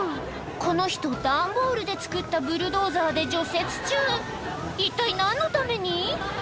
この人段ボールで作ったブルドーザーで除雪中一体何のために？